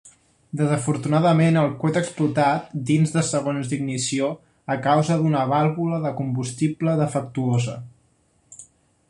Desafortunadament, el coet explotat dins de segons d'ignició a causa d'una vàlvula de combustible defectuosa.